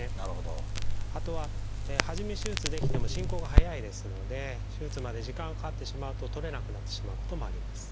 あとは初め手術できても進行が速いですので手術まで時間がかかってしまうと取れなくなってしまうこともあります。